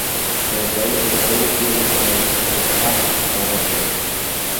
د وسایلو په جوړولو کې له چخماق استفاده کیده.